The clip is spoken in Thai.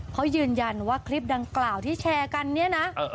เขายืนยันว่าคลิปดังกล่าวที่แชร์กันเนี่ยนะ